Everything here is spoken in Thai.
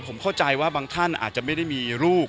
ผมเข้าใจว่าบางท่านอาจจะไม่ได้มีลูก